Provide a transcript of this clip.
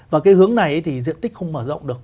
và cái hướng này thì diện tích không mở rộng được